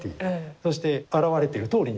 そしてあらわれてるとおりに。